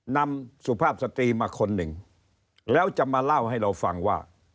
นำสุภาพสตรีมาคนหนึ่งแล้วจะมาเล่าให้เราฟังว่า